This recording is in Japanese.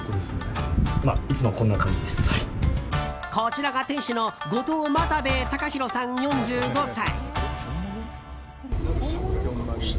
こちらが店主の後藤またべぇ隆博さん、４５歳。